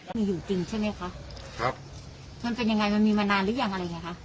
มีอยู่จริงใช่ไหมคะครับมันเป็นยังไงมันมีมานานหรือยังอะไรไงคะ